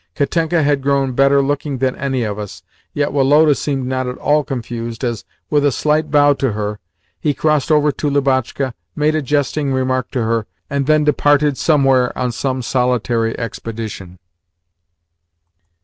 Katenka had grown better looking than any of us, yet Woloda seemed not at all confused as, with a slight bow to her, he crossed over to Lubotshka, made a jesting remark to her, and then departed somewhere on some solitary expedition.